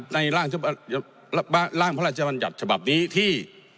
ในร่างพระราชญาติฉบับนี้ที่